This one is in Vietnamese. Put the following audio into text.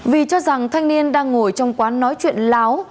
vì cho rằng thanh niên đang ngồi trong quán nói chuyện láo